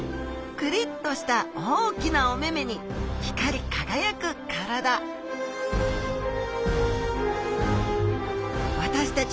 クリッとした大きなお目々に光り輝く体私たち